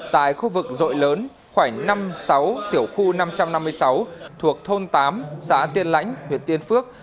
tại khu vực rội lớn khoảng năm sáu tiểu khu năm trăm năm mươi sáu thuộc thôn tám xã tiên lãnh huyện tiên phước